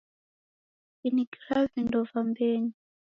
Finikira vindo va mbenyu.